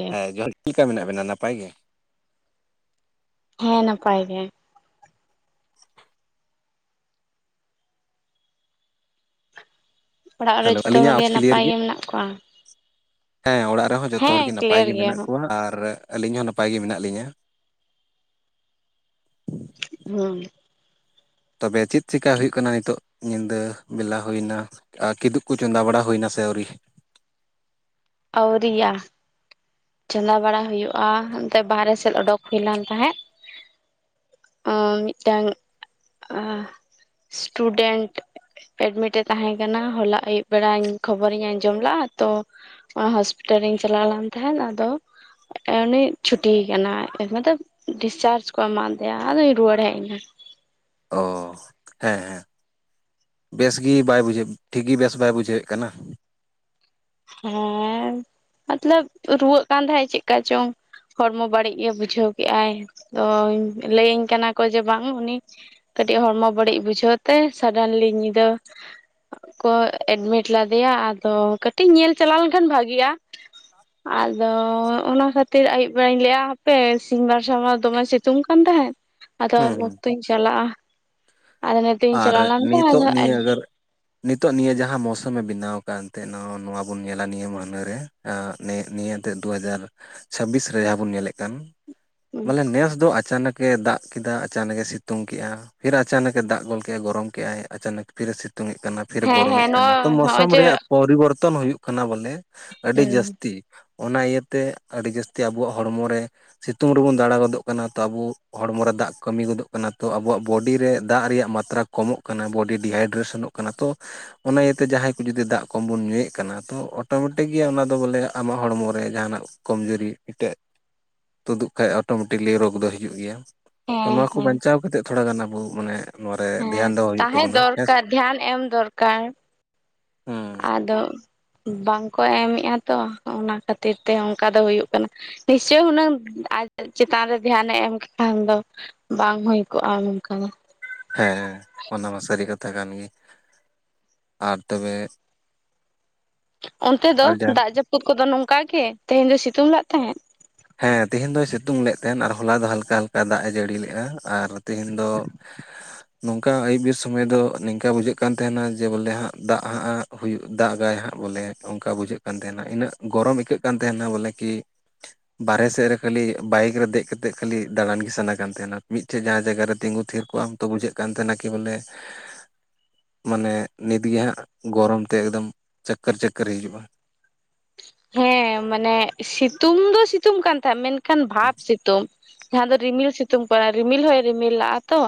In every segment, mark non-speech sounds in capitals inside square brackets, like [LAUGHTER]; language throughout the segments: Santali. ᱜᱮ ᱦᱮᱸ ᱡᱚᱦᱟᱨ ᱪᱮᱫ ᱞᱮᱠᱟ ᱢᱮᱱᱟᱜ ᱵᱮᱱᱟ ᱱᱟᱯᱟᱭ ᱜᱮ? ᱦᱮᱸ ᱱᱟᱯᱟᱭ ᱜᱮ᱾ ᱚᱲᱟᱜ ᱨᱮ ᱦᱮᱞᱳ ᱡᱚᱛᱚ ᱟᱹᱞᱤᱧᱟᱜ ᱦᱚᱲ ᱜᱮ ᱟᱣᱟᱡᱽ ᱠᱞᱤᱭᱟᱨ ᱱᱟᱯᱟᱭ ᱜᱮ ᱢᱮᱱᱟᱜ ᱠᱚᱣᱟ᱾ ᱦᱮᱸ ᱚᱲᱟᱜ ᱨᱮᱦᱚᱸ ᱡᱚᱛᱚ ᱦᱚᱲ ᱦᱮᱸ ᱜᱮ ᱱᱟᱯᱟᱭ ᱠᱞᱤᱭᱟᱨ ᱜᱮ ᱜᱮᱭᱟ ᱢᱮᱱᱟᱜ ᱠᱚᱣᱟ ᱟᱨ ᱟᱹᱞᱤᱧ ᱦᱚᱸ ᱱᱟᱯᱟᱭ ᱜᱮ ᱢᱮᱱᱟᱜ ᱞᱤᱧᱟᱹ᱾ ᱚᱸ ᱛᱚᱵᱮ ᱪᱮᱫ ᱪᱮᱠᱟ ᱦᱩᱭᱩᱜ ᱠᱟᱱᱟ ᱱᱤᱛᱚᱜ ᱧᱤᱫᱟᱹ ᱵᱮᱞᱟ ᱦᱩᱭᱱᱟ? ᱠᱤᱫᱩᱵ ᱠᱚ ᱪᱚᱸᱫᱟ ᱵᱟᱲᱟ ᱦᱩᱭᱱᱟ ᱥᱮ ᱟᱹᱣᱨᱤ? ᱟᱹᱨᱤᱭᱟ᱾ ᱪᱚᱸᱫᱟ ᱵᱟᱲᱟ ᱦᱩᱭᱩᱜᱼᱟ᱾ ᱚᱱᱛᱮ ᱵᱟᱦᱨᱮ ᱥᱮᱫ ᱚᱰᱩᱠ ᱦᱩᱭ ᱞᱮᱱ ᱛᱟᱦᱮᱸᱫ᱾ ᱚ ᱢᱤᱫᱴᱟᱹᱝ ᱥᱴᱩᱰᱮᱱᱴ᱾ ᱮᱰᱢᱤᱴ ᱮ ᱛᱟᱦᱮᱸ ᱠᱟᱱᱟ ᱦᱚᱞᱟ ᱟᱭᱩᱵ ᱵᱮᱲᱟᱧ ᱠᱷᱚᱵᱚᱨᱤᱧ ᱟᱸᱡᱚᱢ ᱞᱮᱫᱟᱜᱼᱟ ᱛᱚ, ᱦᱚᱥᱯᱤᱴᱟᱞ ᱨᱤᱧ ᱪᱟᱞᱟᱣ ᱞᱮᱱ ᱛᱟᱦᱮᱸᱫ ᱟᱫᱚ ᱩᱱᱤ ᱪᱷᱩᱴᱤᱭ ᱠᱟᱱᱟ ᱢᱮᱱ ᱰᱤᱥᱪᱟᱨᱡᱽ ᱠᱚ ᱮᱢᱟᱫᱮᱭᱟ ᱟᱫᱚᱧ ᱨᱩᱣᱟᱹᱲ ᱦᱮᱡ ᱮᱱᱟ ᱾ ᱚ, ᱦᱮᱸ ᱦᱮᱸ᱾ ᱵᱮᱥ ᱜᱮ ᱵᱟᱭ ᱵᱩᱡᱷᱟᱹᱣ ᱴᱷᱤᱠ ᱜᱮ ᱵᱮᱥ ᱵᱟᱭ ᱵᱩᱡᱷᱟᱹᱣᱮᱫ ᱠᱟᱱᱟ᱾ ᱦᱮᱸ ᱢᱚᱛᱞᱚᱵ ᱨᱩᱣᱟᱹᱜ ᱠᱟᱱ ᱛᱟᱦᱮᱸᱜ ᱪᱮᱫᱠᱟ ᱪᱚᱝ? ᱦᱚᱲᱢᱚ ᱵᱟᱹᱲᱤᱡ ᱜᱮ ᱵᱩᱡᱷᱟᱹᱣ ᱠᱮᱫᱟᱭ ᱛᱚ ᱞᱟᱹᱭᱟᱹᱧ ᱠᱟᱱᱟ ᱠᱚ ᱡᱮ ᱵᱟᱝ ᱩᱱᱤ ᱠᱟᱹᱴᱤᱡ ᱦᱚᱲᱢᱚ ᱵᱟᱹᱲᱤᱡ ᱵᱩᱡᱷᱟᱹᱣ ᱛᱮ ᱥᱟᱰᱮᱱᱞᱤ ᱧᱤᱫᱟᱹ ᱠᱚ ᱮᱰᱢᱤᱴ ᱞᱮᱫᱮᱭᱟ ᱟᱫᱚ ᱠᱟᱹᱴ ᱴᱤᱡ ᱧᱮᱞ ᱪᱟᱞᱟᱣ ᱞᱮᱱᱠᱷᱟᱱ ᱵᱷᱟᱜᱤᱜᱼᱟ ᱟᱫᱚ ᱚᱱᱟ ᱠᱷᱟᱹᱛ ᱛᱤᱨ ᱟᱹᱭᱩᱵ ᱵᱮᱲᱟᱧ ᱞᱟᱹᱭᱮᱫᱼᱟ ᱦᱟᱯᱮ ᱥᱤᱧ ᱢᱟᱨᱥᱟᱞ ᱢᱟ ᱫᱚᱢᱮ ᱥᱤᱛᱩᱝ ᱠᱟᱱ ᱛᱟᱦᱮᱸᱫ, ᱟᱫᱚ ᱦᱩᱸ ᱩᱱ ᱦᱩᱸ ᱚᱠᱛᱚᱧ ᱪᱟᱞᱟᱜᱼᱟ᱾ ᱟᱫᱚ ᱱᱤᱛᱚᱜ ᱤᱧ ᱟᱨ ᱪᱟᱞᱟᱣ ᱞᱮᱱ ᱛᱮ ᱱᱤᱛᱚᱜ ᱟᱫᱚ ᱱᱤᱭᱟᱹ ᱟᱜᱚᱨ ᱱᱤᱛᱚᱜ ᱱᱤᱭᱟᱹ ᱡᱟᱦᱟᱸ ᱢᱳᱥᱩᱢᱮ ᱵᱮᱱᱟᱣ ᱟᱠᱟᱫ ᱮᱱᱛᱮᱜ ᱱᱚᱣᱟ ᱵᱩᱱ ᱧᱮᱞᱟ ᱱᱤᱭᱟᱹ ᱢᱟᱹᱦᱱᱟᱹ ᱨᱮ, ᱱᱤᱭᱟᱹ ᱱᱤᱭᱟᱹᱛᱮᱫ ᱫᱩ ᱦᱟᱡᱟᱨ ᱪᱷᱟᱵᱤᱥ ᱨᱮ ᱡᱟᱦᱟᱸ ᱵᱚᱱ ᱧᱮᱞᱮᱫ ᱠᱟᱱ, ᱢᱟᱱᱮ ᱱᱮᱥ ᱫᱚ ᱟᱪᱟᱱᱚᱠ ᱮ ᱫᱟᱜ ᱠᱮᱫᱟ ᱟᱪᱚᱱᱚᱠ ᱮ ᱥᱤᱛᱩᱝ ᱠᱮᱫᱮᱜᱼᱟ ᱯᱷᱤᱨ ᱟᱪᱟᱱᱚᱠ ᱮ ᱫᱟᱜ ᱜᱚᱝᱠᱮ ᱜᱚᱨᱚᱢ ᱠᱮᱫᱼᱟᱭ ᱟᱪᱟᱱᱚᱠ ᱯᱷᱤᱨᱮ ᱥᱤᱛᱩᱝᱮᱜ ᱠᱟᱱᱟ ᱯᱷᱤᱨᱮ ᱦᱮᱸ ᱜᱚᱨᱚᱢᱮᱫ ᱦᱮᱸ ᱠᱟᱱᱟ ᱱᱚᱜᱼᱚᱭ ᱛᱚ ᱱᱚᱜᱼᱚᱭ ᱢᱳᱥᱚᱢ ᱡᱮ ᱨᱮᱭᱟᱜ ᱯᱚᱨᱤᱵᱚᱨᱛᱚᱱ ᱦᱩᱭᱩᱜ ᱠᱟᱱᱟ ᱵᱚᱞᱮ ᱟᱹᱰᱤ ᱦᱮᱸ ᱡᱟᱹᱥᱛᱤ᱾ ᱚᱱᱟ ᱤᱭᱟᱹᱛᱮ ᱟᱹᱰᱤ ᱡᱟᱹᱥᱛᱤ ᱟᱵᱚᱣᱟᱜ ᱦᱚᱲᱢᱚ ᱨᱮ ᱥᱤᱛᱩᱝ ᱨᱮᱵᱚᱱ ᱫᱟᱬᱟ ᱜᱚᱫᱚᱜ ᱠᱟᱱᱟ ᱛᱚ ᱟᱵᱚ ᱦᱚᱲᱢᱚ ᱨᱮ ᱫᱟᱜ ᱠᱟᱹᱢᱤ ᱜᱚᱫᱚᱜ ᱠᱟᱱᱟ ᱛᱚ ᱟᱵᱚᱣᱟᱜ ᱵᱚᱰᱤ ᱨᱮ ᱫᱟᱜ ᱨᱮᱭᱟᱜ ᱢᱟ ᱟᱛᱨᱟ ᱠᱚᱢᱚᱜ ᱠᱟᱱᱟ ᱵᱚᱰᱤ ᱰᱤᱦᱟᱭᱰ ᱨᱮ ᱥᱮᱱᱚᱜ ᱠᱟᱱᱟ ᱛᱚ, ᱚᱱᱟ ᱤᱭᱟᱹᱛᱮ ᱡᱟᱦᱟᱸᱭ ᱠᱚ ᱡᱩᱫᱤ ᱫᱟᱜ ᱠᱚᱢ ᱵᱚᱱ ᱧᱩᱭᱮᱫ ᱠᱟᱱᱟ ᱛᱚ ᱚᱴᱳᱢᱮᱴᱤᱠ ᱜᱮ ᱚᱱᱟ ᱫᱚ ᱵᱚᱞᱮ ᱟᱢᱟᱜ ᱦᱚᱲᱢᱚ ᱨᱮ ᱡᱟᱦᱟᱱᱟᱜ ᱠᱚᱢᱡᱩᱨᱤ ᱢᱤᱫᱴᱮᱡ ᱛᱩᱫᱩᱜ ᱠᱷᱟᱡ ᱚᱴᱳᱢᱮᱴᱤᱠᱞᱤ ᱨᱳᱜᱽ ᱫᱚ ᱦᱤᱡᱩᱜ ᱜᱮᱭᱟ᱾ ᱛᱚ ᱱᱚᱣᱟ ᱠᱚ ᱦᱮᱸ ᱵᱟᱧᱪᱟᱣ ᱠᱟᱛᱮᱜ ᱛᱷᱚᱲᱟ ᱜᱟᱱ ᱟᱵᱚ ᱢᱟᱱᱮ ᱱᱚᱣᱟ ᱨᱮ ᱦᱮᱸ ᱫᱷᱮᱭᱟᱱ ᱫᱚᱦᱚ ᱦᱩᱭᱩᱜ ᱛᱟᱦᱮᱸ ᱛᱟᱵᱚᱱᱟ ᱦᱮᱸᱥ, ᱫᱚᱨᱠᱟᱨ ᱫᱷᱮᱭᱟᱱ ᱮᱢ ᱫᱚᱨᱠᱟᱨ ᱩᱸ ᱟᱫᱚ ᱵᱟᱝ ᱠᱚ ᱮᱢᱮᱫᱼᱟ ᱛᱚ ᱚᱱᱟ ᱠᱷᱟᱹᱛᱤᱨ ᱛᱮ ᱚᱱᱠᱟ ᱫᱚ ᱦᱩᱭᱩᱜ ᱠᱟᱱᱟ᱾ ᱱᱤᱥᱪᱳᱭ ᱦᱩᱱᱟᱹᱝ ᱟᱡ ᱪᱮᱛᱟᱱ ᱨᱮ ᱫᱷᱮᱭᱟᱱᱮ ᱮᱢ ᱠ ᱠᱷᱟᱱ ᱫᱚ? ᱵᱟᱝ ᱦᱩᱭ ᱠᱚᱜᱼᱟ ᱱᱚᱝᱠᱟ ᱫᱚ᱾ ᱦᱮᱸ ᱦᱮᱸ, ᱚᱱᱟ ᱢᱟ ᱥᱟᱹᱨᱤ ᱠᱟᱛᱷᱟ ᱠᱟᱱ ᱜᱮ᱾ ᱟᱨ ᱛᱚᱵᱮ ᱚᱱᱛᱮ ᱫᱚ ᱟᱨ ᱡᱟᱦᱟᱸ ᱫᱟᱜ ᱡᱟᱹᱯᱩᱫ ᱠᱚᱫᱚ ᱱᱚᱝᱠᱟ ᱜᱮ ᱛᱮᱦᱮᱧ ᱫᱚ ᱥᱤᱛᱩᱝ ᱞᱟᱜ ᱛᱟᱦᱮᱸᱫ? ᱦᱮᱸ ᱛᱮᱦᱮᱧ ᱫᱚᱭ ᱥᱤᱛᱩᱝ ᱞᱮᱜ ᱛᱟᱦᱮᱸᱱ ᱟᱨ ᱦᱚᱞᱟ ᱫᱚ ᱦᱟᱞᱠᱟ ᱦᱟᱞᱠᱟ ᱫᱟᱜ ᱮ ᱡᱟᱹᱲᱤ ᱞᱮᱫᱼᱟ᱾ ᱟᱨ ᱛᱤᱦᱤᱧ ᱫᱚ ᱱᱚᱝᱠᱟ ᱟᱹᱭᱩᱵ ᱵᱮ ᱥᱚᱢᱚᱭ ᱫᱚ ᱱᱤᱝᱠᱟ ᱵᱩᱡᱷᱟᱹᱜ ᱠᱟᱱ ᱛᱟᱦᱮᱱᱟ ᱡᱮ ᱵᱚᱞᱮ ᱦᱟᱸᱜ ᱫᱟᱜ ᱦᱟᱸᱜᱼᱜ ᱦᱩᱭᱩᱜ ᱫᱟᱜᱟᱭ ᱦᱟᱸᱜ ᱵᱚᱞᱮ᱾ ᱚᱱᱠᱟ ᱵᱩᱡᱷᱟᱹᱜ ᱠᱟᱱ ᱛᱟᱦᱮᱱᱟ ᱤᱱᱟᱹᱜ ᱜᱚᱨᱚᱢ ᱟᱹᱭᱠᱟᱹᱜ ᱠᱟᱱ ᱛᱟᱦᱮᱱᱟ ᱵᱚᱞᱮ ᱠᱤ ᱵᱟᱨᱦᱮ ᱥᱮᱫ ᱨᱮ ᱠᱷᱟᱹᱤ ᱵᱟᱭᱤᱠ ᱨᱮ ᱫᱮᱡ ᱠᱟᱛᱮᱜ ᱠᱷᱟᱹᱤ ᱫᱟᱬᱟᱱ ᱜᱮ ᱥᱟᱱᱟ ᱠᱟᱱ ᱛᱟᱦᱮᱱᱟ ᱢᱤᱫᱴᱷᱮᱡ ᱡᱟᱦᱟᱸ ᱡᱟᱭᱜᱟ ᱨᱮ ᱛᱤᱸᱜᱩ ᱛᱷᱤᱨ ᱠᱚᱜᱼᱟᱢ, ᱛᱚ ᱵᱩᱡᱷᱟᱹᱜ ᱠᱟᱱ ᱛᱟᱦᱮᱱᱟ ᱠᱤ ᱵᱚᱞᱮ ᱢᱟᱱᱮ ᱱᱤᱛᱜᱮ ᱦᱟᱸᱜ ᱜᱚᱨᱚᱢ ᱛᱮ ᱮᱠᱫᱚᱢ ᱪᱚᱠᱠᱚᱨ ᱪᱚᱠᱠᱚᱨ ᱦᱤᱡᱩᱜᱼᱟ᱾ ᱦᱮᱸ ᱢᱟᱱᱮ ᱥᱤᱛᱩᱝ ᱫᱚ ᱥᱤᱛᱩᱝ ᱠᱟᱱ ᱛᱟᱦᱮᱸᱫ ᱢᱮᱱᱠᱷᱟᱱ ᱵᱷᱟᱵᱽ ᱥᱤᱛᱩᱝ᱾ ᱡᱟᱦᱟᱸ ᱫᱚ ᱨᱤᱢᱤᱞ ᱥᱤᱛᱩᱝ ᱠᱟᱱᱟ ᱨᱤᱢᱤᱞ ᱦᱚᱸᱭ ᱨᱤᱢᱤᱞ ᱞᱟᱜᱻᱟ ᱛᱚ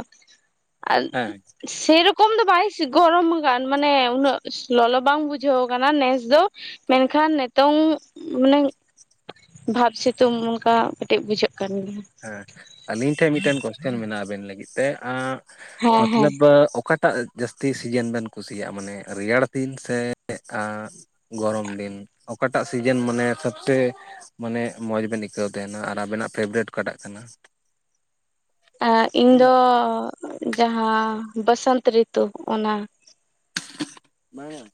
ᱟᱨ ᱦᱮᱸ ᱥᱮᱨᱚᱠᱚᱢ ᱫᱚ ᱵᱟᱭ ᱜᱚᱨᱚᱢ ᱠᱟᱱ ᱢᱟᱱᱮ ᱩᱱᱟᱹᱜ ᱞᱚᱞᱚ ᱵᱟᱝ ᱵᱩᱡᱷᱟᱹᱣ ᱟᱠᱟᱱᱟ ᱱᱮᱥ ᱫᱚ, ᱢᱮᱱᱠᱷᱟᱱ ᱱᱮᱛ ᱛᱚᱝ ᱢᱟᱱᱮ ᱵᱷᱟᱵᱽ ᱥᱤᱛᱩᱝ ᱚᱱᱠᱟ ᱠᱟᱹᱴᱤᱡ ᱵᱩᱡᱷᱟᱹᱜ ᱠᱟᱱ ᱜᱮᱭᱟ᱾ ᱦᱮᱸ ᱟᱞᱤᱧ ᱴᱷᱮᱡ ᱢᱤᱫᱴᱮᱱ ᱠᱚᱥᱪᱮᱱ ᱢᱮᱱᱟᱜᱼᱟ ᱟᱵᱮᱱ ᱞᱟᱹᱜᱤᱫ ᱛᱮ ᱜᱮᱭᱟ ᱦᱮᱸ ᱢᱚᱛᱞᱟᱵ ᱚᱠᱟ ᱴᱟᱜ ᱡᱟᱹᱥᱛᱤ ᱥᱤᱡᱮᱱ ᱵᱮᱱ ᱠᱩᱥᱤᱭᱟᱜᱼᱟ ᱢᱟᱱᱮ ᱨᱮᱭᱟᱲ ᱫᱤᱱ ᱥᱮ ᱟ ᱻ ᱜᱚᱨᱚᱢ ᱫᱤᱱ ᱚᱠᱟᱴᱟᱜ ᱥᱤᱡᱮᱱ ᱢᱟᱱᱮ ᱥᱚᱵᱥᱮ ᱢᱟᱱᱮ ᱢᱚᱡᱽ ᱵᱮᱱ ᱟᱹᱭᱠᱟᱹᱣ ᱛᱟᱦᱮᱱᱟ ᱟᱨ ᱟᱵᱮᱱᱟᱜ ᱯᱷᱮᱵᱟᱨᱮᱴ ᱚᱠᱟᱴᱟᱜ ᱠᱟᱱᱟ? ᱤᱧ ᱫᱚ ᱡᱟᱦᱟᱸ ᱵᱟᱥᱚᱱᱛ ᱨᱤᱛᱩ ᱚᱱᱟ᱾ ᱵᱟᱝᱟ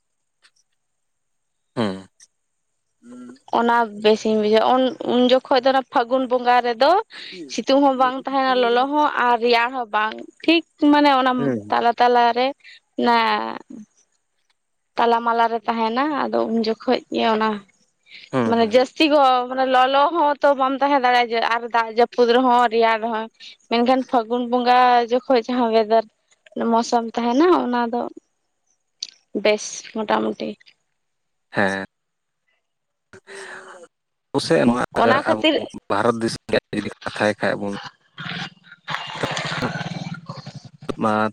ᱚᱱᱟ ᱵᱮᱥᱤᱧ ᱵᱩᱡᱷᱟᱹᱣᱟ ᱩᱱ ᱡᱚᱠᱷᱚᱱ ᱫᱚ ᱚᱱᱟ ᱯᱷᱟᱹᱜᱩᱱ ᱵᱚᱸᱜᱟ ᱨᱮᱫᱚ ᱦᱩᱸ ᱥᱤᱛᱩᱝ ᱦᱚᱸ ᱵᱟᱝ ᱛᱟᱦᱮᱱᱟ ᱞᱚᱞᱚ ᱦᱚᱸ ᱟᱨ ᱨᱮᱭᱟᱲ ᱦᱚᱸ ᱵᱟᱝ ᱴᱷᱤᱠ ᱢᱟᱱᱮ ᱚᱱᱟ ᱛᱟᱞᱟᱛᱮᱼᱼ ᱛᱟᱞᱟᱨᱮ ᱚᱱᱟᱼ ᱛᱟᱞᱟ ᱢᱟᱞᱟ ᱨᱮ ᱛᱟᱦᱮᱱᱟ ᱟᱫᱚ ᱩᱱ ᱡᱚᱠᱷᱚᱱ ᱜᱮ ᱚᱱᱟ ᱦᱩᱸ ᱢᱟᱱᱮ ᱦᱩᱸ ᱡᱟᱹᱥᱛᱤ ᱜᱚᱨᱚᱢ᱾ ᱢᱟᱱᱮ ᱞᱚᱞᱚ ᱦᱚᱸᱛᱚ ᱵᱟᱢ ᱛᱟᱦᱮᱸ ᱫᱟᱲᱮᱭᱟᱜᱼᱟ ᱡᱮ ᱟᱨ ᱫᱟᱜ ᱡᱟᱹᱯᱩᱫ ᱨᱮᱦᱚᱸ ᱨᱮᱭᱟᱲ ᱨᱮᱦᱚᱸ᱾ ᱢᱮᱱᱠᱷᱟᱱ ᱯᱷᱟᱹᱜᱩᱱ ᱵᱚᱸᱜᱟ ᱡᱚᱠᱷᱚᱡ ᱡᱟᱦᱟᱸ ᱚᱭᱮᱫᱟᱨ ᱢᱳᱥᱩᱢ ᱛᱟᱦᱮᱱᱟ ᱚᱱᱟ ᱫᱚ ᱼᱼ ᱵᱮᱥ ᱢᱚᱴᱟᱢᱩᱴᱤ ᱾ ᱦᱮᱸ ᱟᱵᱚᱥᱮᱫ ᱱᱚᱣᱟ ᱟᱨ ᱚᱱᱟ ᱟᱵᱚᱼ ᱠᱷᱟᱹᱛᱤᱨ ᱵᱷᱟᱨᱚᱛ ᱫᱤᱥᱚᱢ ᱨᱮᱭᱟᱜ ᱡᱩᱫᱤ ᱠᱟᱛᱷᱟᱭ ᱠᱷᱟᱡ ᱵᱚᱱᱼᱼ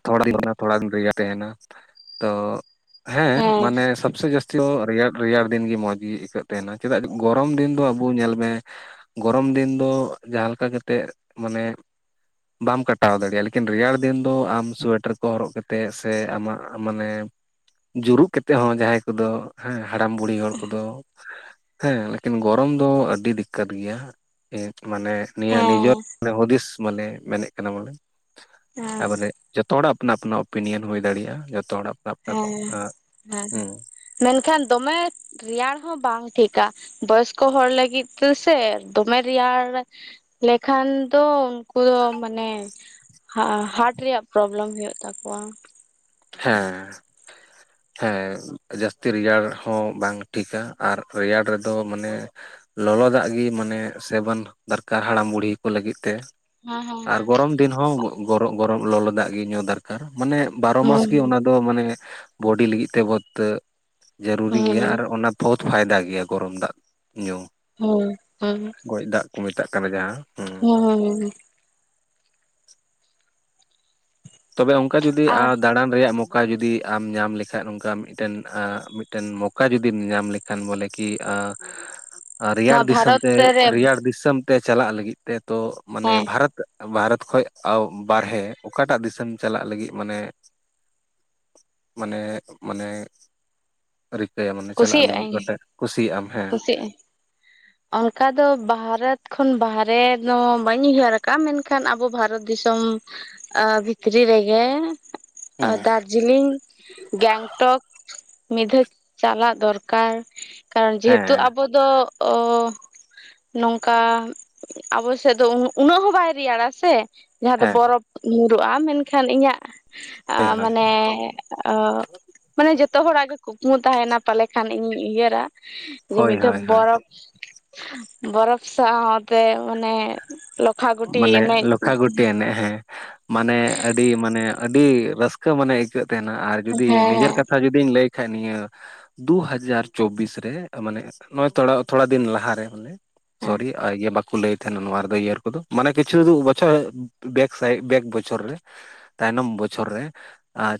ᱛᱷᱚᱲᱟ ᱫᱤᱱ ᱛᱷᱚᱲᱟ ᱫᱤᱱ ᱨᱮᱜᱮ ᱛᱟᱦᱮᱱᱟ ᱛᱚ ᱦᱮᱸ ᱢᱟᱱᱮ ᱥᱚᱵᱥᱮ ᱡᱟᱹᱥᱛᱤᱼᱼ ᱡᱮᱢᱚᱱ ᱨᱮᱭᱟᱲ ᱨᱮᱭᱟᱲ ᱫᱤᱱ ᱜᱮ ᱢᱚᱸᱡᱽ ᱜᱮ ᱟᱹᱭᱠᱟᱹᱜ ᱛᱟᱦᱮᱱᱟ ᱪᱮᱫᱟᱜ ᱜᱚᱨᱚᱢ ᱫᱤᱱ ᱫᱚ ᱟᱵᱚ ᱧᱮᱞ ᱢᱮᱼᱼ ᱜᱚᱨᱚᱢ ᱫᱤᱱ ᱫᱚ ᱡᱟᱦᱟᱸ ᱞᱮᱠᱟ ᱠᱟᱛᱮᱜ ᱢᱟᱱᱮᱼᱼ ᱵᱟᱢ ᱠᱟᱴᱟᱣ ᱫᱟᱲᱮᱭᱟᱜᱼᱟ ᱞᱤᱠᱤᱱ ᱨᱮᱭᱟᱲᱼᱼ ᱫᱤᱱ ᱫᱚ ᱟᱢ ᱥᱳᱭᱮᱴᱟᱨ ᱠᱚ ᱦᱚᱨᱚᱜ ᱠᱟᱛᱮᱜ ᱥᱮ ᱟᱢᱟᱜ ᱢᱟᱱᱮᱼᱼ ᱡᱩᱨᱩᱜ ᱠᱟᱛᱮᱜ ᱦᱚᱸ ᱡᱟᱦᱟᱸᱭ ᱠᱚᱫᱚᱼᱼ ᱦᱮᱸ ᱦᱟᱲᱟᱢ ᱵᱩᱲᱦᱤ ᱦᱚᱲ ᱠᱚᱫᱚ ᱦᱮᱸ ᱞᱮᱠᱤᱱ ᱜᱚᱨᱚᱢ ᱫᱚ ᱟᱹᱰᱤ ᱫᱤᱠᱠᱟᱛ ᱜᱮᱭᱟ᱾ ᱢᱟᱱᱮ ᱱᱤᱭᱟᱹ ᱦᱮᱸ ᱱᱤᱡᱮᱨ ᱦᱩᱫᱤᱥ ᱢᱟᱱᱮ ᱢᱮᱱᱮᱫ ᱠᱟᱱᱟ ᱵᱚᱞᱮ᱾ ᱛᱟ ᱦᱮᱸ ᱵᱚᱞᱮ ᱡᱚᱛᱚ ᱦᱚᱲᱟᱜ ᱟᱯᱱᱟ ᱟᱯᱱᱟ ᱚᱯᱤᱱᱤᱭᱚᱱ ᱦᱩᱭ ᱫᱟᱲᱮᱭᱟᱜᱼᱟ ᱡᱚᱛᱚ ᱦᱚᱲᱟᱜᱼᱼ ᱦᱮᱸ ᱦᱮᱸ ᱢᱮᱱᱠᱷᱟᱱ ᱫᱚᱢᱮᱼᱼ ᱨᱮᱭᱟᱲ ᱦᱚᱸ ᱵᱟᱝ ᱴᱷᱤᱠᱟ ᱵᱚᱭᱚᱥᱠᱚ ᱦᱚᱲ ᱞᱟᱹᱜᱤᱫ ᱛᱮᱥᱮ ᱫᱚᱢᱮ ᱨᱮᱭᱟᱲᱼᱼ ᱞᱮᱠᱷᱟᱱ ᱫᱚ ᱩᱱᱠᱩ ᱫᱚ ᱢᱟᱱᱮᱼᱼ ᱦᱟᱨᱴ ᱨᱮᱭᱟᱜ ᱯᱨᱚᱵᱞᱮᱢ ᱦᱩᱭᱩᱜ ᱛᱟᱠᱚᱣᱟ᱾ ᱦᱮᱸ ᱦᱮᱸ ᱡᱟᱹᱥᱛᱤ ᱨᱮᱭᱟᱲ ᱦᱚᱸ ᱵᱟᱝ ᱴᱷᱤᱠᱟ ᱟᱨ ᱨᱮᱭᱟᱲ ᱨᱮᱫᱚ ᱢᱟᱱᱮᱼᱼ ᱞᱚᱞᱚ ᱫᱟᱜ ᱜᱤ ᱢᱟᱱᱮ ᱥᱮᱵᱚᱱ ᱫᱚᱨᱠᱟᱨ ᱦᱟᱲᱟᱢ ᱵᱩᱲᱦᱤ ᱠᱚ ᱞᱟᱹᱜᱤᱫ ᱛᱮᱼᱼ ᱦᱮᱸ ᱟᱨ ᱦᱮᱸ ᱦᱮᱸ ᱜᱚᱨᱚᱢ ᱫᱤᱱ ᱦᱚᱸ ᱜᱚᱨᱚᱢ ᱞᱚᱞᱚ ᱫᱟᱜ ᱜᱤ ᱧᱩ ᱫᱚᱨᱠᱟᱨ ᱢᱟᱱᱮ ᱵᱟᱨᱚ ᱢᱟᱥᱼᱼ ᱦᱩᱸ ᱢᱟᱱᱮ ᱵᱚᱰᱤ ᱞᱟᱹᱜᱤᱫ ᱛᱮ ᱵᱚᱛ ᱡᱟᱹᱨᱩᱨᱤ ᱜᱮᱭᱟ ᱦᱩᱸ ᱟᱨ ᱚᱱᱟᱼᱼ ᱵᱚᱦᱩᱛ ᱯᱷᱟᱭᱫᱟ ᱜᱮᱭᱟ ᱜᱚᱨᱚᱢ ᱫᱟᱜ ᱧᱩ᱾ ᱦᱳᱭ ᱦᱩ ᱜᱚᱡ ᱫᱟᱜ ᱠᱚ ᱢᱮᱛᱟᱜ ᱠᱟᱱᱟ ᱡᱟᱦᱟᱸ ᱦᱩᱸ ᱾ ᱦᱩᱸ ᱦᱩᱸ ᱛᱚᱵᱮ ᱚᱱᱠᱟ ᱡᱩᱫᱤ ᱟᱨ ᱫᱟᱲᱟᱱ ᱨᱮᱭᱟᱜᱼᱼ ᱢᱚᱠᱟ ᱡᱩᱫᱤ ᱟᱢ ᱧᱟᱢ ᱞᱮᱠᱷᱟᱱ ᱚᱱᱠᱟ ᱢᱤᱫᱴᱮᱱ ᱢᱤᱫᱴᱮᱱ ᱢᱚᱠᱟ ᱡᱩᱫᱤᱢ ᱧᱟᱢ ᱞᱮᱠᱷᱟᱱ ᱵᱚᱞᱮ ᱠᱤᱼᱼ [UNINTELLIGIBLE] ᱨᱮᱭᱟᱲ ᱱᱚᱣᱟ ᱫᱤᱥᱚᱢ ᱵᱷᱟᱨᱚᱛ ᱛᱮ ᱨᱮ ᱦᱮᱸ ᱨᱮᱭᱟᱲ ᱫᱤᱥᱚᱢ ᱛᱮ ᱪᱟᱞᱟᱜ ᱞᱟᱹᱜᱤᱫ ᱛᱮ ᱛᱚ ᱢᱟᱱᱮ ᱵᱷᱟᱨᱚᱛᱼᱼ ᱵᱷᱟᱨᱚᱛ ᱠᱷᱚᱱ ᱵᱟᱨᱦᱮ ᱚᱠᱟᱴᱟᱜ ᱫᱤᱥᱚᱢᱼᱼ ᱛᱮᱢ ᱪᱟᱞᱟᱜ ᱞᱟᱹᱜᱤᱫ ᱢᱟᱱᱮ ᱢᱟᱱᱮ ᱢᱟᱱᱮᱼᱼ ᱨᱤᱠᱟᱹ ᱟᱢ ᱢᱟᱱᱮ ᱪᱟᱞᱟᱜ ᱞᱟᱹᱜᱤᱫ ᱜᱚᱴᱮᱡ ᱠᱩᱥᱤᱭᱟᱜ ᱟᱢ ᱦᱮᱸ᱾ ᱪᱮᱫ? ᱚᱱᱠᱟ ᱫᱚ ᱵᱷᱟᱨᱚᱛ ᱠᱷᱚᱱ ᱵᱟᱦᱨᱮ ᱫᱚ ᱵᱟᱹᱧ ᱩᱭᱦᱟᱹᱨ ᱟᱠᱟᱫ-ᱟ ᱢᱮᱱᱠᱷᱟᱱ ᱟᱵᱚ ᱵᱷᱟᱨᱚᱛ ᱫᱤᱥᱚᱢᱼᱼ ᱟᱻ ᱵᱷᱤᱛᱨᱤ ᱨᱮᱜᱮᱼᱼ ᱫᱟᱨᱡᱤᱞᱤᱝ ᱜᱮᱝᱴᱚᱠᱼᱼ ᱢᱤᱫ ᱫᱷᱟᱣ ᱪᱟᱞᱟᱜ ᱫᱚᱨᱠᱟᱨ ᱠᱟᱨᱚᱱ ᱡᱮᱦᱮᱛᱩ ᱦᱮᱸ ᱟᱵᱚ ᱫᱚᱼᱼ ᱚ ᱱᱚᱝᱠᱟ ᱟᱵᱚ ᱥᱮᱫ ᱫᱚ ᱩᱱᱟᱹᱜ ᱦᱚᱸ ᱵᱟᱭ ᱨᱮᱭᱟᱲᱟ ᱥᱮ? ᱡᱟᱦᱟᱸ ᱫᱚ ᱦᱮᱸ ᱵᱚᱨᱚᱯᱷ ᱧᱩᱨᱩᱜ-ᱟ ᱢᱮᱱᱠᱷᱟᱱ ᱤᱧᱟᱹᱜ ᱦᱳᱭ ᱢᱟᱱᱮᱼᱼ ᱚ ᱢᱟᱱᱮ ᱡᱚᱛᱚ ᱦᱚᱲᱟᱜ ᱜᱮ ᱠᱩᱠᱢᱩ ᱛᱟᱦᱮᱱᱟ ᱯᱟᱞᱮ ᱠᱷᱟᱱ ᱤᱧ ᱩᱭᱦᱟᱹᱨᱟ᱾ ᱢᱤᱫ ᱦᱳᱭ ᱦᱳᱭ ᱫᱷᱟᱣ ᱦᱳᱭ ᱦᱳᱭ ᱵᱚᱨᱯᱷᱼᱼ ᱵᱚᱨᱚᱯᱷ ᱥᱟᱣᱛᱮ ᱚᱱᱮᱼᱼ ᱢᱟᱱᱮ ᱞᱚᱠᱷᱟ ᱜᱩᱴᱤ ᱮᱱᱮᱡ ᱦᱮᱸᱼᱼ ᱢᱟᱱᱮ ᱟᱹᱰᱤ ᱢᱟᱱᱮ ᱟᱹᱰᱤ ᱨᱟᱹᱥᱠᱟᱹ ᱢᱟᱱᱮ ᱟᱹᱭᱠᱟᱹᱜ ᱛᱟᱦᱮᱱᱟ ᱟᱨ ᱡᱩᱫᱤ ᱦᱮᱸ ᱱᱤᱡᱮᱨ ᱠᱟᱛᱷᱟ ᱡᱩᱫᱤᱼᱼ ᱞᱤᱧ ᱞᱟᱹᱭ ᱠᱷᱟᱱᱡ ᱱᱤᱭᱟᱹᱼᱼ ᱫᱩ-ᱦᱟᱡᱟᱨ ᱪᱚᱵᱤᱥ ᱨᱮ ᱢᱟᱱᱮ ᱱᱚᱜ ᱛᱷᱚᱲᱟ ᱛᱷᱚᱲᱟ ᱫᱤᱱ ᱞᱟᱦᱟ ᱨᱮ ᱢᱟᱱᱮᱼᱼ ᱦᱮᱸ ᱥᱚᱨᱤ ᱤᱭᱟ ᱵᱟᱠᱚ ᱞᱟᱹᱭ ᱛᱟᱦᱮᱱᱟ ᱱᱚᱣᱟ ᱨᱮ ᱫᱚ ᱤᱭᱟᱹᱨ ᱠᱚ ᱫᱚ᱾ ᱢᱟᱱᱮ ᱠᱤᱪᱷᱩ [UNINTELLIGIBLE] ᱵᱮᱠ ᱥᱟᱭ ᱵᱮᱠ ᱵᱚᱪᱚᱨ ᱨᱮᱼᱼ ᱛᱟᱭᱱᱚᱢ ᱵᱚᱪᱷᱚᱨ ᱨᱮ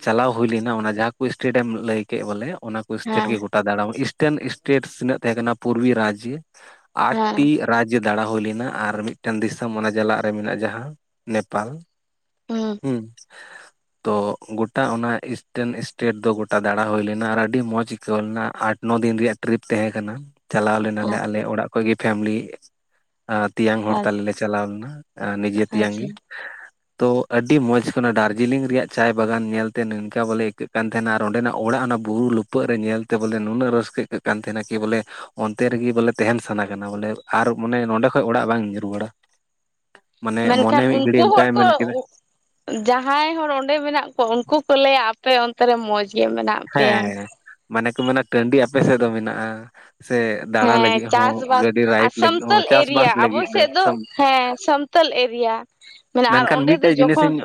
ᱪᱟᱞᱟᱣ ᱦᱩᱭ ᱞᱮᱱᱟ ᱚᱱᱟ ᱡᱟᱦᱟᱸ ᱠᱚ ᱥᱴᱮᱰᱤᱭᱟᱢ ᱞᱟᱹᱭ ᱠᱮᱫ ᱵᱚᱞᱮ ᱚᱱᱟ ᱠᱚ ᱥᱴᱮᱴ ᱦᱮᱸ ᱜᱮ ᱜᱚᱴᱟ ᱫᱟᱲᱟᱢ ᱤᱥᱴᱟᱨᱱ ᱮᱥᱴᱮᱴ ᱛᱤᱱᱟᱹᱜ ᱛᱟᱦᱮᱸ ᱠᱟᱱᱟ ᱯᱩᱨᱵᱤ ᱨᱟᱡᱽᱡᱚᱼᱼ ᱟᱴ ᱦᱮᱸ ᱴᱤ ᱨᱟᱡᱽᱡᱚ ᱫᱟᱲᱟ ᱦᱩᱭ ᱞᱮᱱᱟ ᱟᱨ ᱢᱤᱫᱴᱮᱱ ᱫᱤᱥᱚᱢᱼᱼ ᱢᱚᱱᱮ ᱡᱟᱞᱟᱜ ᱨᱮ ᱢᱮᱱᱟᱜ-ᱟ ᱡᱟᱦᱟᱸ ᱱᱮᱯᱟᱞ ᱦᱮᱸ ᱛᱚ ᱜᱚᱴᱟ ᱚᱱᱟ ᱤᱥᱴᱮᱱ ᱥᱴᱮᱴ ᱫᱚ ᱜᱚᱴᱟ ᱫᱟᱲᱟ ᱦᱩᱭ ᱞᱮᱱᱟ ᱟᱨ ᱟᱹᱰᱤ ᱢᱚᱡᱽ ᱟᱹᱭᱠᱟᱹᱣ ᱞᱮᱱᱟ ᱟᱴ-ᱱᱚ ᱫᱤᱱ ᱨᱮᱭᱟᱜᱼᱼ ᱴᱨᱤᱯ ᱛᱟᱦᱮᱸ ᱠᱟᱱᱟ ᱪᱟᱞᱟᱣ ᱞᱮᱱᱟ ᱞᱮ ᱟᱞᱮ ᱦᱮᱸ ᱚᱲᱟᱜ ᱠᱷᱚᱱ ᱯᱷᱮᱢᱮᱞᱤ ᱛᱮᱭᱟᱝ ᱦᱚᱲ ᱟᱪᱪᱷᱟ ᱛᱟᱞᱮᱼᱼ ᱪᱟᱞᱟᱣ ᱞᱮᱱᱟ ᱱᱤᱡᱮ ᱛᱮᱭᱟᱝ ᱜᱮᱼᱼ ᱟᱪᱪᱷᱟ ᱛᱚ ᱟᱹᱰᱤ ᱢᱚᱸᱡᱽ ᱠᱟᱱᱟ ᱫᱟᱨᱡᱤᱞᱤᱝ ᱨᱮᱭᱟᱜ ᱪᱟᱭ ᱵᱟᱜᱟᱱ ᱧᱮᱞ ᱛᱮ ᱱᱚᱝᱠᱟ ᱵᱚᱞᱮ ᱟᱹᱭᱠᱟᱹᱜ ᱠᱟᱱ ᱛᱟᱦᱮᱱᱟ᱾ ᱛᱟᱦᱮᱱᱟ ᱟᱨ ᱚᱸᱰᱮ ᱱᱟᱜ ᱚᱲᱟᱜ ᱚᱱᱟ ᱵᱩᱨᱩ ᱞᱩᱯᱟᱹᱜ ᱨᱮ ᱧᱮᱞ ᱛᱮ ᱵᱚᱞᱮ ᱱᱩᱱᱟᱹᱜ ᱨᱟᱹᱥᱠᱟᱹ ᱟᱹᱠᱟᱹᱜ ᱠᱟᱱ ᱛᱟᱦᱮᱱᱟ ᱠᱤ ᱵᱚᱞᱮᱼᱼ ᱚᱱᱛᱮ ᱨᱮᱜᱮ ᱵᱚᱞᱮ ᱛᱟᱦᱮᱱ ᱥᱟᱱᱟ ᱠᱟᱱᱟ ᱵᱚᱞᱮ ᱟᱨ ᱢᱟᱱᱮ ᱱᱚᱸᱰᱮ ᱠᱷᱚᱡ ᱚᱲᱟᱜ ᱵᱟᱝ ᱨᱩᱣᱟᱹᱲᱟ ᱢᱟᱱᱮ ᱢᱮᱱ ᱢᱚᱱᱮ ᱠᱷᱟᱱ ᱢᱤᱫ ᱩᱱᱠᱩ ᱜᱷᱟᱹᱲᱤᱡ ᱦᱚᱲ ᱚᱱᱠᱟᱭ ᱠᱚᱼᱼ ᱢᱮᱱ ᱠᱮᱫᱟ ᱡᱟᱦᱟᱸᱭ ᱦᱚᱲ ᱚᱸᱰᱮ ᱢᱮᱱᱟᱜ ᱠᱚᱣᱟ ᱩᱱᱠᱩ ᱠᱚ ᱞᱟᱹᱭᱟ ᱟᱯᱮ ᱚᱱᱛᱮ ᱨᱮ ᱢᱚᱸᱡᱽ ᱜᱮ ᱢᱮᱱᱟᱜ ᱯᱮᱭᱟ ᱦᱮᱸ ᱢᱟᱱᱮ ᱠᱚ ᱢᱮᱱᱟ ᱴᱟᱺᱰᱤ ᱟᱯᱮ ᱥᱮᱫ ᱫᱚ ᱢᱮᱱᱟᱜ-ᱟ ᱥᱮ ᱫᱟᱬᱟ ᱦᱮᱸ ᱞᱟᱹᱜᱤᱫ ᱦᱚᱸ ᱪᱟᱥ-ᱵᱟᱥ ᱜᱟᱹᱰᱤ ᱟᱨ ᱨᱟᱭᱤᱰ ᱞᱟᱹᱜᱤᱫ ᱦᱚᱸ ᱥᱟᱱᱛᱚᱞ ᱮᱨᱤᱭᱟ ᱪᱟᱥᱵᱟᱥ ᱟᱵᱚ ᱞᱟᱹᱜᱤᱫ ᱥᱮᱫ ᱫᱚ ᱦᱮᱸ [UNINTELLIGIBLE] ᱢᱮᱱ ᱟᱨ ᱠᱷᱟᱱ ᱚᱸᱰᱮ ᱫᱚ ᱢᱤᱫᱴᱮᱡ ᱡᱤᱱᱤᱥ ᱡᱚᱠᱷᱚᱱ ᱤᱧᱼᱼ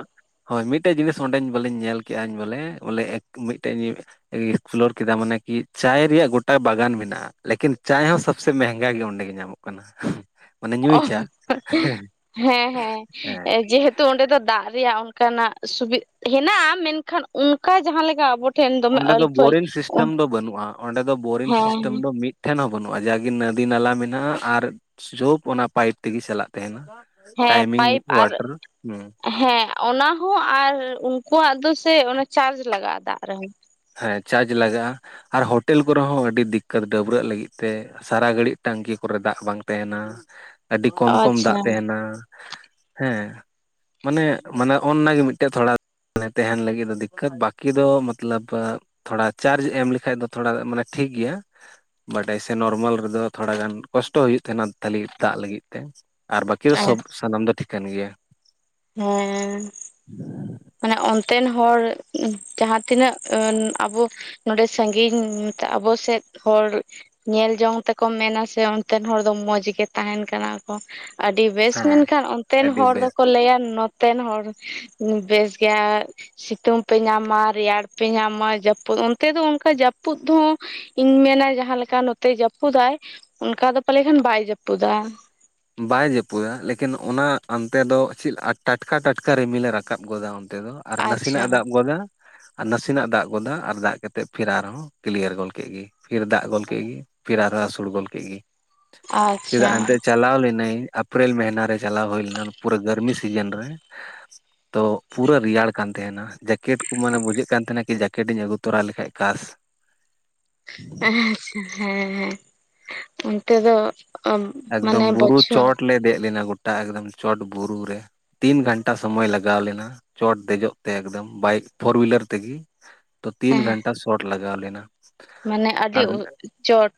ᱦᱳᱭ ᱢᱤᱫᱴᱮᱡ ᱡᱤᱱᱤᱥ ᱚᱸᱰᱮ ᱵᱚᱞᱮᱧ ᱧᱮᱞ ᱠᱮᱜ-ᱟᱧ ᱵᱚᱞᱮ ᱵᱚᱞᱮ ᱢᱤᱫᱴᱮᱡᱼᱼ ᱮᱠᱥᱯᱞᱳᱨ ᱠᱮᱫᱟ ᱢᱟᱱᱮ ᱠᱤ ᱪᱟᱭ ᱨᱮᱭᱟᱜ ᱜᱚᱴᱟ ᱵᱟᱜᱟᱱ ᱢᱮᱱᱟᱜ-ᱟ ᱞᱮᱠᱤᱱ ᱪᱟᱭ ᱦᱚᱸᱼᱼ ᱥᱮ ᱢᱮᱦᱮᱜᱟ ᱜᱮ ᱚᱸᱰᱮ ᱜᱮ ᱧᱟᱢᱚᱜ ᱠᱟᱱᱟ ᱢᱟᱱᱮ ᱧᱩᱭᱪᱟ ᱦᱮᱸ ᱦᱮᱸ ᱡᱮᱦᱮᱛᱩ ᱛᱳ ᱚᱸᱰᱮ ᱫᱚ ᱫᱟᱜ ᱨᱮᱭᱟᱜ ᱚᱱᱠᱟᱱᱟᱜ ᱥᱩᱵᱤᱫ ᱦᱮᱱᱟᱜ-ᱟ ᱢᱮᱱ ᱠᱷᱟᱱ ᱚᱱᱠᱟ ᱡᱟᱦᱟᱸ ᱞᱮᱠᱟ ᱟᱵᱚᱼᱼ ᱚᱸᱰᱮ ᱫᱚ ᱵᱳᱨᱤᱝ ᱥᱤᱥᱴᱮᱢ ᱫᱚ ᱵᱟᱹᱱᱩᱜ-ᱟ ᱚᱸᱰᱮ ᱫᱚ ᱵᱳᱨᱤᱝ ᱦᱮᱸ ᱥᱤᱥᱴᱮᱢ ᱫᱚ ᱢᱤᱫᱼᱼ ᱴᱷᱮᱱ ᱦᱚᱸ ᱵᱟᱹᱱᱩᱜ-ᱟ ᱡᱟᱜᱮ ᱱᱚᱫᱤ ᱱᱟᱞᱟ ᱢᱮᱱᱟᱜ-ᱟ ᱟᱨ ᱡᱳᱯ ᱚᱱᱟ ᱯᱟᱭᱤᱯ ᱛᱮᱜᱮ ᱪᱟᱞᱟᱜ ᱛᱟᱦᱮᱱᱟ᱾ ᱦᱮᱸ ᱴᱟᱭᱢᱤᱝ ᱯᱟᱭᱤᱯ ᱟᱨ ᱚᱣᱟᱴᱟᱨ ᱦᱩᱸ ᱦᱮᱸ ᱚᱱᱟ ᱦᱚᱸ ᱟᱨ ᱩᱱᱠᱩᱣᱟᱜ ᱫᱚ ᱥᱮ ᱚᱱᱟ ᱪᱟᱨᱡ ᱞᱟᱜᱟᱜ-ᱟ ᱫᱟᱜ ᱨᱮᱦᱚᱸᱼᱼ ᱦᱮᱸ ᱪᱟᱨᱡᱽ ᱞᱟᱜᱟᱜ-ᱟ ᱟᱨ ᱦᱳᱴᱮᱞ ᱠᱚ ᱨᱮ ᱦᱚᱸ ᱟᱹᱰᱤ ᱫᱤᱠᱟᱛ ᱰᱟᱹᱵᱨᱟᱹᱜ ᱞᱟᱹᱜᱤᱫ ᱛᱮ ᱥᱟᱨᱟ ᱜᱷᱟᱹᱲᱤᱡ ᱴᱟᱝᱠᱤ ᱠᱚ ᱨᱮ ᱫᱟᱜ ᱵᱟᱝ ᱛᱟᱦᱮᱱᱟ ᱟᱹᱰᱤ ᱠᱚᱢ ᱠᱚᱢ ᱫᱟᱜ ᱟᱪᱪᱷᱟ ᱦᱮᱸ ᱛᱟᱦᱮᱱᱟ ᱦᱮᱸ ᱢᱟᱱᱮ ᱢᱟᱱᱮ ᱚᱱᱱᱟ ᱜᱮ ᱢᱤᱫᱴᱮᱡ ᱛᱷᱚᱲᱟ ᱛᱟᱦᱮᱱ ᱞᱟᱹᱜᱤᱫ ᱫᱚ ᱫᱤᱠᱠᱟᱛ ᱵᱟᱠᱤ ᱫᱚ ᱢᱟᱛᱞᱟᱵᱼᱼ ᱛᱷᱚᱲᱟ ᱪᱟᱨᱡᱽ ᱮᱢ ᱞᱮᱠᱷᱟᱱ ᱫᱚ ᱛᱷᱚᱲᱟ ᱢᱟᱱᱮ ᱴᱷᱤᱠ ᱜᱮᱭᱟ᱾ ᱵᱟᱰᱟᱭ ᱥᱮ ᱱᱚᱨᱢᱟᱞ ᱨᱮ ᱫᱚ ᱛᱷᱚᱲᱟ ᱜᱟᱱ ᱠᱚᱥᱴᱚ ᱦᱩᱭᱩᱜ ᱛᱟᱦᱮᱱᱟ ᱛᱟᱞᱤ ᱫᱟᱜ ᱞᱟᱹᱜᱤᱫ ᱛᱮ ᱟᱨ ᱵᱟᱹᱠᱤ ᱫᱚ ᱥᱚᱵ ᱥᱟᱱᱟᱢ ᱫᱚ ᱴᱷᱤᱠᱟᱹᱱ ᱜᱮᱭᱟ᱾ ᱦᱮᱸ ᱦᱮᱸ [INAUDIBLE] ᱢᱟᱱᱮ ᱚᱱᱛᱮᱱ ᱦᱚᱲ ᱡᱟᱦᱟ ᱛᱤᱱᱟᱹᱜ ᱟᱵᱳ ᱱᱚᱰᱮ ᱥᱟᱹᱜᱤᱧ ᱟᱵᱳ ᱥᱮᱫ ᱦᱚᱲᱼᱼ ᱧᱮᱞ ᱡᱚᱝ ᱛᱮ ᱠᱚ ᱢᱮᱱᱟ ᱥᱮ ᱚᱱᱛᱮᱱ ᱦᱚᱲ ᱫᱚ ᱢᱚᱡᱽ ᱜᱮ ᱛᱟᱦᱮᱱ ᱠᱟᱱᱟ ᱠᱚ᱾ ᱟᱹᱰᱤ ᱵᱮᱥ ᱦᱮᱸ ᱢᱮᱱ ᱠᱷᱟᱱ ᱚᱱᱛᱮᱱ ᱟᱹᱰᱤ ᱦᱚᱲ ᱫᱚ ᱵᱮᱥ ᱠᱚ ᱞᱟᱹᱭᱟ ᱱᱚᱛᱮᱱ ᱦᱚᱲ ᱵᱮᱥ ᱜᱮᱭᱟ᱾ ᱥᱤᱛᱩᱝ ᱯᱮ ᱧᱟᱢᱟ ᱨᱮᱭᱟᱲ ᱯᱮ ᱧᱟᱢᱟ ᱡᱟᱹᱯᱩᱫ ᱚᱱᱛᱮ ᱫᱚ ᱚᱱᱠᱟ ᱡᱟᱹᱯᱩᱫ ᱦᱚᱸᱼᱼ ᱤᱧ ᱢᱮᱱᱟ ᱡᱟᱦᱟᱸ ᱞᱮᱠᱟ ᱱᱚᱛᱮ ᱡᱟᱹᱯᱩᱫᱟᱭ ᱚᱱᱠᱟ ᱫᱚ ᱯᱟᱞᱮ ᱠᱷᱟᱱ ᱵᱟᱭ ᱡᱟᱹᱯᱩᱫᱟ᱾ ᱵᱟᱭ ᱡᱟᱹᱯᱩᱫᱟ ᱞᱮᱠᱤᱱ ᱚᱱᱟ ᱚᱱᱛᱮ ᱫᱚ ᱪᱮᱫ ᱴᱟᱴᱠᱟ ᱴᱟᱴᱠᱟ ᱨᱤᱢᱤᱞ ᱮ ᱨᱟᱠᱟᱵ ᱜᱚᱫᱟ ᱚᱱᱛᱮ ᱫᱚ ᱟᱨ ᱱᱟᱥᱮᱱᱟᱜ ᱟᱪᱪᱷᱟ ᱮ ᱫᱟᱜ ᱜᱚᱫᱟ᱾ ᱟᱨ ᱱᱟᱥᱮᱱᱟᱜ ᱫᱟᱜ ᱜᱚᱫᱟ ᱟᱨ ᱫᱟᱜ ᱠᱟᱛᱮᱜ ᱯᱷᱤᱨ ᱟᱨᱦᱚᱸ ᱠᱞᱤᱭᱟᱨ ᱜᱚᱫ ᱠᱮᱫ ᱜᱮ ᱯᱷᱤᱨ ᱫᱟᱜ ᱜᱚᱫ ᱠᱮᱫ ᱜᱮ᱾ ᱯᱷᱤᱨ ᱟᱨᱦᱚᱸ ᱟᱥᱳᱲ ᱜᱚᱫ ᱠᱮᱫ ᱜᱮ ᱟᱪᱪᱷᱟ ᱟᱪᱪᱷᱟ ᱪᱮᱫᱟᱜ ᱮᱱᱛᱮ ᱪᱟᱞᱟᱣ ᱞᱮ ᱤᱱᱟᱹᱧ ᱮᱯᱨᱤᱞ ᱢᱟᱹᱦᱱᱟᱹ ᱨᱮ ᱪᱟᱞᱟᱣ ᱦᱩᱭ ᱞᱮᱱᱟ ᱯᱩᱨᱟᱹ ᱜᱟᱨᱢᱤ ᱥᱤᱡᱤᱱ ᱨᱮ᱾ ᱛᱚ ᱯᱩᱨᱟᱹ ᱨᱮᱭᱟᱲ ᱠᱟᱱ ᱛᱟᱦᱮᱸᱱᱟ ᱡᱮᱠᱮᱴ ᱠᱩ ᱢᱟᱱᱮ ᱵᱩᱡᱷᱟᱹᱜ ᱠᱟᱱ ᱛᱟᱦᱮᱸᱱᱟ ᱠᱤ ᱡᱮᱠᱴ ᱤᱧ ᱟᱹᱜᱩ ᱛᱚᱨᱟ ᱞᱮᱠᱷᱟᱡ ᱠᱟᱥᱼᱼ [INAUDIBLE] ᱟᱪᱷᱟ ᱦᱮᱸ-ᱦᱮᱸ ᱚᱱᱛᱮ ᱫᱚᱼᱼ ᱮᱠᱫᱚᱢ ᱵᱩᱨᱩ ᱪᱚᱴ ᱞᱮ ᱫᱮᱡ ᱞᱮᱱᱟ ᱜᱚᱴᱟ ᱮᱠᱫᱚᱢ ᱪᱚᱴ ᱵᱩᱨᱩ ᱨᱮ᱾ ᱛᱤᱱ ᱜᱷᱟᱱᱴᱟ ᱥᱚᱢᱚᱭ ᱞᱟᱜᱟᱣ ᱞᱮᱱᱟ ᱪᱚᱴ ᱫᱮᱡᱚᱜ ᱛᱮ ᱮᱠᱫᱚᱢ ᱵᱟᱭᱤᱠ ᱯᱷᱳᱨ ᱩᱭᱤᱞᱟᱨ ᱛᱤᱜᱮ᱾ ᱛᱚ ᱛᱤᱱ ᱦᱮᱸ ᱜᱷᱟᱱᱴᱟ ᱥᱚᱴ ᱞᱟᱜᱟᱣ ᱞᱮᱱᱟ᱾ ᱢᱟᱱᱮ ᱟᱨ ᱟᱹᱰᱤ ᱦᱩᱸ ᱪᱚᱴ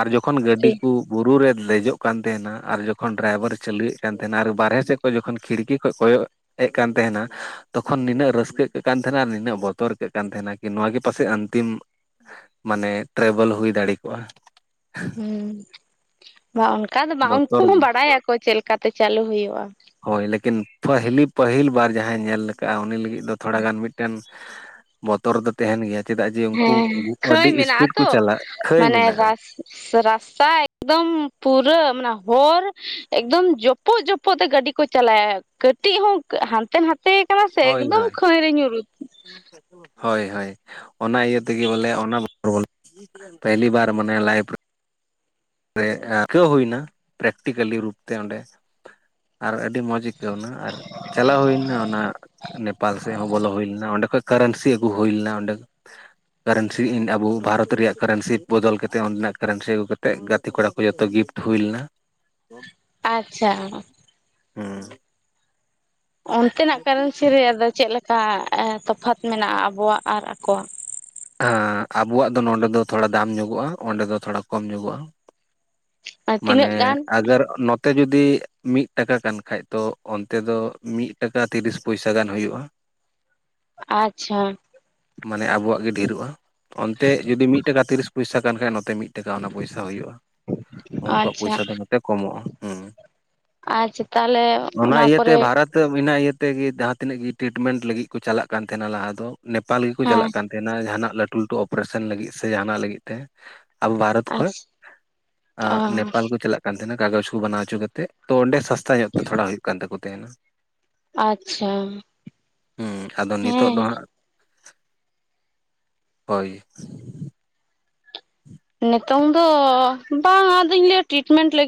ᱟᱨ ᱡᱚᱠᱷᱚᱱ ᱛᱮ ᱜᱟᱹᱰᱤ ᱠᱩ ᱵᱩᱨᱩ ᱨᱮᱼᱼ ᱞᱮᱡᱚᱜ ᱠᱟᱱ ᱛᱟᱦᱮᱸᱱᱟ ᱟᱨ ᱡᱚᱠᱷᱚᱱ ᱰᱨᱟᱭᱵᱷᱟᱨ ᱪᱟᱹᱞᱩᱭᱮᱫ ᱠᱟᱱ ᱛᱟᱦᱮᱸᱱᱟ ᱟᱨ ᱵᱟᱨᱦᱮ ᱥᱮᱫ ᱠᱷᱚᱱ ᱡᱚᱠᱷᱚᱱ ᱠᱷᱤᱲᱠᱤ ᱠᱷᱚᱜ ᱠᱚᱭᱚᱜᱼᱼ ᱦᱮᱡ ᱠᱟᱱ ᱛᱟᱦᱮᱸᱱᱟᱼᱼ ᱛᱚᱠᱷᱚᱱ ᱱᱤᱱᱟᱹᱜ ᱨᱟᱹᱥᱠᱟᱹ ᱟᱹᱠᱟᱹᱜ ᱠᱟᱱ ᱛᱟᱦᱮᱸᱱᱟ ᱟᱨ ᱱᱤᱱᱟᱹᱜ ᱵᱚᱛᱚᱨ ᱟᱹᱭᱠᱟᱹᱜ ᱠᱟᱱ ᱛᱟᱦᱮᱸᱱᱟ ᱠᱤ ᱱᱚᱣᱟ ᱜᱮ ᱯᱟᱥᱮᱡ ᱟᱱᱛᱤᱢᱼᱼ ᱢᱟᱱᱮ ᱴᱨᱟᱵᱷᱮᱞ ᱦᱩᱭ ᱫᱟᱲᱮ ᱠᱚᱜ-ᱟ᱾ ᱦᱩᱸ ᱵᱟᱝ ᱚᱱᱠᱟ ᱫᱚ ᱵᱟᱝ ᱩᱱᱠᱩ ᱵᱚᱛᱚᱨ ᱦᱚᱸ ᱵᱟᱲᱟᱭᱟᱠᱚ ᱪᱮᱫ ᱞᱮᱠᱟᱛᱮ ᱪᱟᱹᱞᱩ ᱦᱩᱭᱩᱜ-ᱟ᱾ ᱦᱳᱭ ᱞᱮᱠᱤᱱ ᱯᱟᱹᱷᱞᱤ ᱯᱟᱹᱦᱤᱞ ᱵᱟᱨ ᱡᱟᱦᱟᱸᱭ ᱧᱮᱞ ᱠᱟᱜ-ᱟ ᱩᱱᱤ ᱞᱟᱹᱜᱤᱫ ᱫᱚ ᱛᱷᱚᱲᱟᱜᱟᱱ ᱢᱤᱫᱴᱮᱱᱼᱼ ᱵᱚᱛᱚᱨ ᱫᱚ ᱛᱟᱦᱮᱸᱱ ᱜᱮᱭᱟ ᱪᱮᱫᱟᱜ ᱡᱮ ᱩᱱᱠᱩ ᱦᱮᱸ ᱠᱷᱟᱹᱭ ᱟᱹᱰᱤ ᱢᱮᱱᱟᱜᱼᱟ ᱤᱥᱯᱤᱰ ᱠᱚ ᱛᱚ ᱪᱟᱞᱟᱜ ᱠᱷᱟᱹᱭ ᱢᱟᱱᱮ ᱢᱮᱱᱟᱜ-ᱟ᱾ ᱨᱟᱥ ᱨᱟᱥᱛᱟ ᱮᱠᱫᱚᱢ ᱯᱩᱨᱟᱹ ᱢᱟᱱᱮ ᱦᱚᱨ ᱮᱠᱫᱚᱢ ᱡᱚᱯᱼᱼ ᱡᱚᱯᱚᱜ ᱡᱚᱯᱚᱜ ᱛᱮ ᱜᱟᱹᱰᱤ ᱠᱚ ᱪᱟᱞᱟᱭᱟ ᱠᱟᱹᱴᱤᱡ ᱦᱚᱸ ᱦᱟᱱᱛᱮ ᱱᱟᱛᱮᱼᱼ [INAUDIBLE] ᱠᱟᱱᱟ ᱥᱮ ᱦᱳᱭ ᱮᱠᱫᱚᱢ ᱦᱳᱭ ᱠᱷᱟᱹᱭ ᱨᱮ ᱧᱩᱨᱩᱜᱼᱼ ᱦᱳᱭ ᱦᱳᱭ ᱚᱱᱟ ᱤᱭᱟᱹ ᱛᱮᱜᱮ ᱵᱚᱞᱮ ᱚᱱᱟ [INAUDIBLE] ᱯᱮᱦᱞᱤ ᱵᱟᱨ ᱢᱟᱱᱮ ᱞᱟᱭᱤᱵᱼᱼ ᱨᱮ ᱟᱹᱭᱠᱟᱹᱣ ᱦᱩᱭ ᱱᱟ ᱯᱨᱮᱠᱴᱤᱠᱮᱞᱤ ᱨᱩᱯ ᱛᱮ ᱚᱸᱰᱮ᱾ ᱟᱨᱼᱼ ᱟᱹᱰᱤ ᱢᱚᱡᱽ ᱟᱹᱭᱠᱟᱹᱣ ᱱᱟ ᱟᱨ ᱪᱟᱞᱟᱣ ᱦᱩᱭ ᱞᱮᱱᱟ ᱚᱱᱟ ᱱᱮᱯᱟᱞ ᱥᱮᱫ ᱦᱚᱸ ᱵᱚᱞᱚ ᱦᱩᱭ ᱞᱮᱱᱟ ᱚᱸᱰᱮ ᱠᱷᱚᱡᱼᱼ ᱠᱟᱨᱮᱱᱥᱤ ᱟᱹᱜᱩ ᱦᱩᱭ ᱞᱮᱱᱟ ᱚᱸᱰᱮᱼᱼ ᱠᱟᱨᱮᱱᱥᱤ ᱤᱧ ᱟᱵᱚ ᱵᱷᱟᱨᱚᱛ ᱨᱮᱭᱟᱜ ᱠᱟᱨᱮᱱᱥᱤ ᱵᱚᱫᱚᱞ ᱠᱟᱛᱮᱫ ᱚᱸᱰᱮᱱᱟᱜ ᱠᱟᱨᱮᱱᱥᱤ ᱟᱹᱜᱩ ᱠᱟᱛᱮᱫ ᱜᱟᱛᱼᱼ ᱛᱮ ᱠᱚᱲᱟ ᱠᱚ ᱡᱚᱛᱚ ᱜᱤᱯᱴ ᱦᱩᱭ ᱞᱮᱱᱟ᱾ ᱟᱪᱪᱷᱟᱼᱼ ᱦᱩᱸ ᱚᱱᱛᱮᱱᱟᱜ ᱠᱟᱨᱮᱱᱥᱤ ᱨᱮ ᱟᱫᱚ ᱪᱮᱫ ᱞᱮᱠᱟ ᱛᱚᱯᱷᱟᱛ ᱢᱮᱱᱟᱜ-ᱟ? ᱟᱵᱚᱣᱟ-ᱜ ᱟᱨ ᱟᱠᱚᱣᱟ-ᱜ ᱦᱟᱸ ᱟᱵᱚᱣᱟᱜ ᱫᱚ ᱱᱚᱸᱰᱮ ᱫᱚ ᱛᱷᱚᱲᱟ ᱫᱟᱢ ᱧᱚᱜᱚᱜ-ᱟ ᱚᱸᱰᱮ ᱫᱚ ᱛᱷᱚᱲᱟ ᱠᱚᱢ ᱧᱚᱜᱚᱜ-ᱟ᱾ ᱢᱟᱱᱮ ᱛᱤᱱᱟᱹᱜ ᱜᱟᱱ ᱟᱜᱟᱨ ᱱᱚᱛᱮ ᱡᱩᱫᱤᱼᱼ ᱢᱤᱫ ᱴᱟᱠᱟ ᱠᱟᱱ ᱠᱷᱟᱡ ᱫᱚ ᱚᱱᱛᱮ ᱫᱚ ᱢᱤᱫ ᱴᱟᱠᱟ ᱛᱤᱨᱤᱥ ᱯᱚᱭᱥᱟ ᱜᱟᱱ ᱦᱩᱭᱩᱜ-ᱟ᱾ [INAUDIBLE] ᱟᱪᱪᱷᱟᱼᱼ ᱢᱟᱱᱮ ᱟᱵᱚᱣᱟᱜ ᱜᱮ ᱰᱷᱮᱨᱚᱜ-ᱟ᱾ ᱚᱱᱛᱮ ᱡᱩᱚᱫᱤ ᱢᱤᱫ ᱴᱟᱠᱟ ᱛᱤᱨᱤᱥ ᱯᱚᱭᱥᱟ ᱠᱟᱱ ᱠᱷᱟ ᱱᱚᱛᱮ ᱢᱤᱫ ᱴᱟᱠᱟ ᱚᱱᱟ ᱯᱚᱭᱥᱟ ᱦᱩᱭᱩᱜ-ᱟ᱾ ᱩᱱᱠᱩᱣᱟᱜ ᱟᱪᱪᱷᱟ ᱯᱚᱭᱥᱟ ᱫᱚ ᱱᱚᱛᱮ ᱠᱚᱢᱚᱜ-ᱟ᱾ ᱦᱩᱸ ᱟᱪᱪᱟ ᱛᱟᱞᱦᱮ ᱚᱱᱟ ᱠᱚᱨᱮ᱾ ᱱᱤᱛᱚᱜ ᱵᱤᱱᱟᱹ ᱤᱭᱟᱹ ᱛᱮᱜᱮ ᱡᱟᱦᱟᱸ ᱛᱤᱱᱟᱹᱜ ᱜᱮ ᱴᱨᱤᱴᱢᱮᱱᱴ ᱞᱟᱹᱜᱤᱫ ᱠᱚ ᱪᱟᱞᱟᱜ ᱠᱟᱱ ᱛᱟᱦᱮᱸᱱᱟ ᱞᱟᱦᱟ ᱫᱚ ᱱᱮᱯᱟᱞ ᱜᱮᱠᱚ ᱦᱮᱸ ᱪᱟᱞᱟᱜ ᱠᱟᱱᱼᱼ ᱨᱮᱱᱟᱜ ᱡᱟᱦᱟᱸᱱᱟᱜ ᱞᱟᱴᱩ ᱞᱟᱹᱴᱩ ᱚᱯᱨᱮᱥᱚᱱ ᱞᱟᱹᱜᱤᱫ ᱥᱮ ᱡᱟᱦᱟᱸᱱᱟᱜ ᱞᱟᱹᱜᱤᱫ ᱛᱮ ᱟᱵᱚ ᱵᱷᱟᱨᱚᱛ ᱠᱷᱚᱡᱼᱼ ᱟᱪᱪᱷᱟ ᱟᱸ ᱚ ᱱᱮᱯᱟᱞ ᱠᱚ ᱪᱟᱞᱟᱜ ᱠᱟᱱ ᱛᱟᱦᱮᱸᱱᱟ ᱠᱟᱜᱚᱡᱽ ᱠᱚ ᱵᱟᱱᱟᱣ ᱚᱪᱚ ᱠᱟᱛᱮᱫ ᱛᱚ ᱚᱸᱰᱮ ᱥᱟᱥᱛᱟ ᱧᱚᱜ ᱛᱮ ᱛᱷᱚᱲᱟ ᱦᱩᱭᱩᱜ ᱠᱟᱱ ᱛᱟᱠᱚ ᱛᱟᱦᱮᱸᱱᱟ᱾ ᱟᱪᱪᱷᱟ ᱦᱩᱸ ᱟᱫᱚ ᱱᱤᱛᱚᱜ ᱦᱮᱸᱼᱼ ᱫᱚ ᱦᱟᱸᱜ ᱦᱳᱭ ᱱᱤᱛᱚᱝ ᱫᱚ ᱵᱟᱝ ᱟᱫᱚᱧ ᱞᱟᱹᱭᱟ ᱴᱨᱤᱴᱢᱮᱱᱴ ᱞᱟᱹᱜᱤᱼᱼ